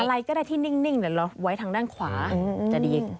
อะไรก็ได้ที่นิ่งเดี๋ยวเราไว้ทางด้านขวาจะดีอีก